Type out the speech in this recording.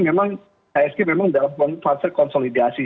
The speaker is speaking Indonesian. memang ihsg memang dalam fase konsolidasi